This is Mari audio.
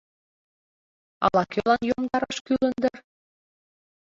— Ала-кӧлан йомдараш кӱлын дыр...